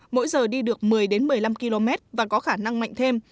mỗi giờ đi được một mươi một mươi năm km và có khả năng mạnh thêm